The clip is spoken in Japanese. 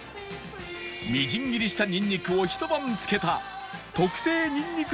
みじん切りしたニンニクをひと晩漬けた特製ニンニク